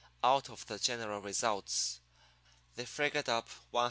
Out of the general results they figured up $102.